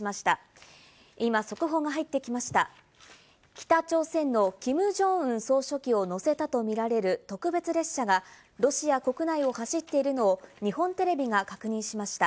北朝鮮のキム・ジョンウン総書記を乗せたとみられる特別列車がロシア国内を走っているのを日本テレビが確認しました。